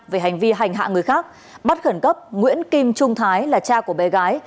về hành vi hành hạ người khác bắt khẩn cấp nguyễn kim trung thái là cha của bé gái